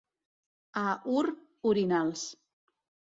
A Ur, orinals.